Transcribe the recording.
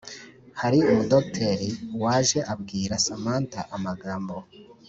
hari umu docteur waje abwira samantha amagambo